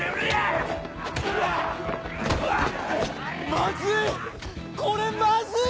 まずい！